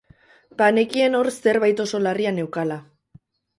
Banekien hor zerbait oso larria neukala.